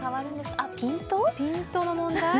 あっ、ピントの問題？